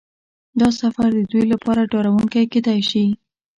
دا سفر د دوی لپاره ډارونکی کیدای شي